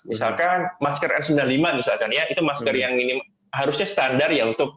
misalkan masker r sembilan puluh lima misalkan ya itu masker yang ini harusnya standar ya untuk